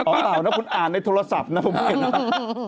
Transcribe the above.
อ๋อคุณอ่านในโทรศัพท์นะผมเห็นนะ